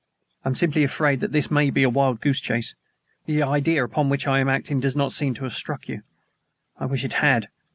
I am simply afraid that this may be a wild goose chase. The idea upon which I am acting does not seem to have struck you. I wish it had.